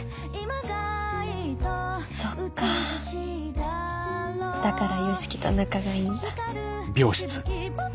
そっかだから良樹と仲がいいんだ。